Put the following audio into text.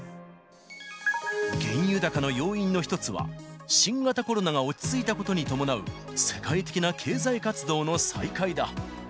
原油高の要因の一つは、新型コロナが落ち着いたことに伴う世界的な経済活動の再開だ。